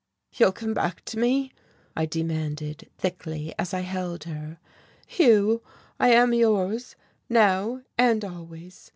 "You'll come back to me?" I demanded thickly, as I held her. "Hugh, I am yours, now and always.